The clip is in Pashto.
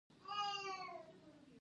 د اغوستلو توکي تر خپلې اندازې زیات وي